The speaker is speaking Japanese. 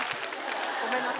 ごめんなさい。